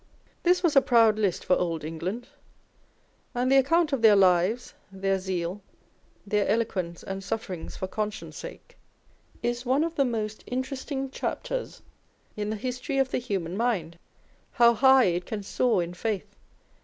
This was a proud list for Old England ; and the account of their lives, their zeal, their eloquence and sufferings for conscience sake, is one of the most interesting chapters in the history of the human mind. How high it can soar in faith!